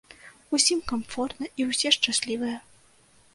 Усім камфортна і ўсе шчаслівыя.